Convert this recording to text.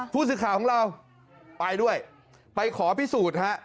ผู้สื่อข่าวของเราไปด้วยไปขอพิสูจน์ฮะ